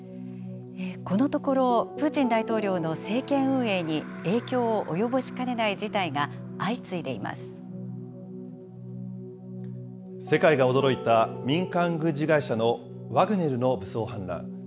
このところ、プーチン大統領の政権運営に影響を及ぼしかねない事態が相次いで世界が驚いた、民間軍事会社のワグネルの武装反乱。